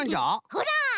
ほら！